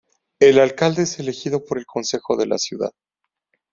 El alcalde es elegido por el consejo de la ciudad.